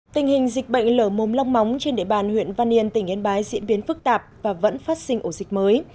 tình hình dịch bệnh lở mồm long móng trên địa bàn huyện văn yên tỉnh yên bái diễn biến phức tạp và vẫn phát sinh ổ dịch mới